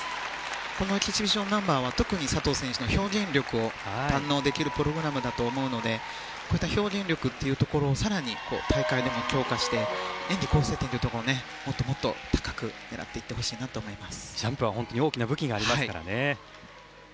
このエキシビションナンバーは佐藤選手の表現力を堪能できるプログラムだと思うのでこういった表現力というところを更に大会で強化して演技構成点というところもっともっと高く狙っていってほしいと思います。